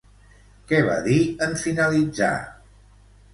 Què va dir en finalitzar?